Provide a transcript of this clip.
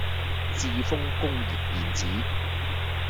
致豐工業電子